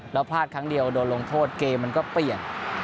แล้วพลาดครั้งเดียวโดนลงโทษเกมมันก็เปลี่ยน